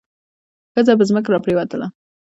ښځه په ځمکه را پریوتله.